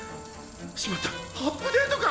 しまったアップデートか！